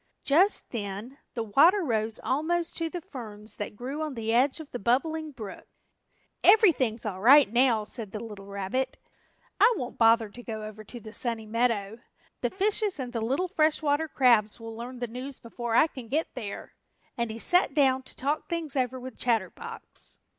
Just then the water rose almost to the ferns that grew on the edge of the Bubbling Brook. "Everything's all right now," said the little rabbit, "I won't bother to go over to the Sunny Meadow. The fishes and the little fresh water crabs will learn the news before I can get there," and he sat down to talk things over with Chatterbox.